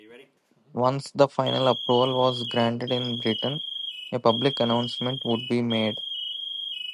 Once the final approval was granted in Britain, a public announcement would be made.